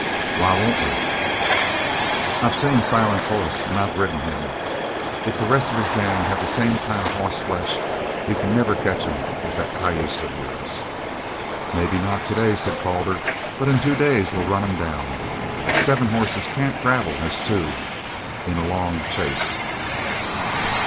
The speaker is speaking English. "Why won't we?" "I've seen Silent's hoss, and I've ridden him. If the rest of his gang have the same kind of hoss flesh, you c'n never catch him with that cayuse of yours." "Maybe not today," said Calder, "but in two days we'll run him down. Seven horses can't travel as two in a long chase."